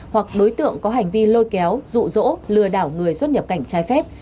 hoặc đối tượng có hành vi lôi kéo rụ rỗ lừa đảo người xuất nhập cảnh trái phép